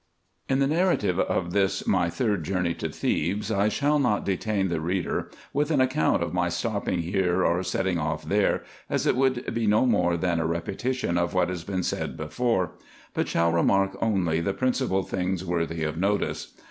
In the narrative of this my third journey to Thebes, I shall not detain the reader with an account of my stopping here or setting off there, as it would be no more than a repetition of what has been said before ; but shall remark only the principal things worthy of notice.